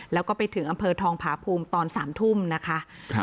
แล้วก็ไปถึงอำเภอทองผาภูมิตอน๓ทุ่มนะคะ